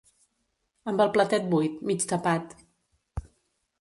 Amb el platet buit, mig tapat